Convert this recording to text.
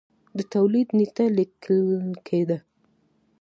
د تولید نېټه لیکل کېده.